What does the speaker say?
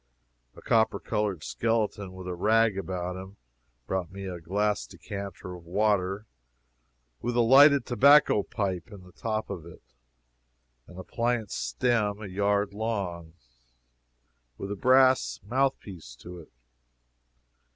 A copper colored skeleton, with a rag around him, brought me a glass decanter of water, with a lighted tobacco pipe in the top of it, and a pliant stem a yard long, with a brass mouth piece to it.